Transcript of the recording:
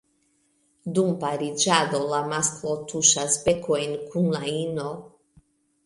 Dum pariĝado, la masklo tuŝas bekojn kun la ino.